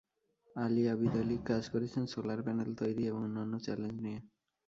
আলী আবিদালী কাজ করেছেন solar panel তৈরি এবং অন্যান্য চ্যালেঞ্জ নিয়ে।